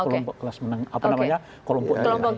kelompok kelas menang apa namanya kolompok